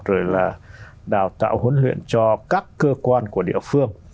rồi là đào tạo huấn luyện cho các cơ quan của địa phương